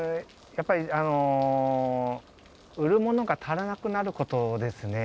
やっぱり売るものが足らなくなることですね。